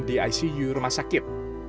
di icu rumah sakit